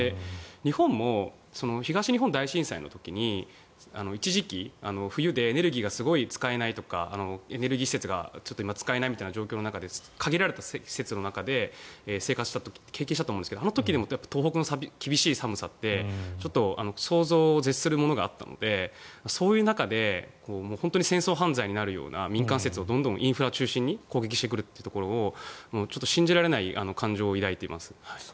日本も東日本大震災の時に一時期、冬でエネルギーがすごく使えないとかエネルギー施設がちょっと今使えないみたいな状況の中で、限られた施設の中で生活した経験したと思うんですがあの時も東北の厳しい寒さってちょっと想像を絶するものがあったのでそういう中で本当に戦争犯罪になるような民間施設をインフラを中心に攻撃してくるっていうところに信じられない感情を抱いています。